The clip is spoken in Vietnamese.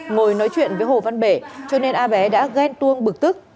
ngồi nói chuyện với hồ văn bể cho nên a bé đã ghen tuông bực tức